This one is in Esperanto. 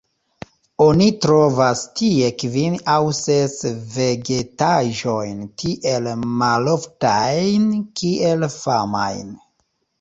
Oni trovas tie kvin aŭ ses vegetaĵojn tiel maloftajn kiel famajn.